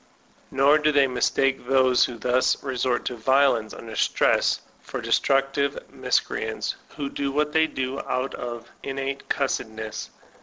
Nor do they mistake those who thus resort to violence under stress for destructive miscreants who do what they do out of innate cussedness.